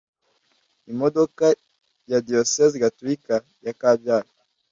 imodoka ya diyosezi gatolika ya kabgayi